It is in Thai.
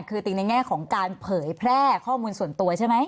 คือจริงในแง่ของการเผยแพร่ข้อมูลส่วนตัวใช่ไหม